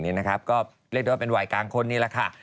ก็เรียกได้ว่าเป็นวายกลางคนนี้แหละค่ะ